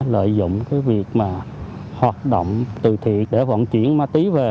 lợi dụng việc hoạt động từ thiện để vận chuyển ma túy về